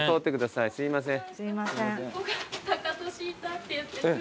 すいません。